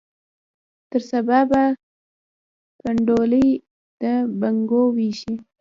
تر سبا به کنډولي د بنګو ویشي